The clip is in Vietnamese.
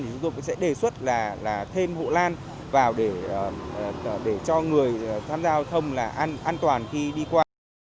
chúng tôi cũng sẽ đề xuất là thêm hộ lan vào để cho người tham gia giao thông là an toàn khi đi qua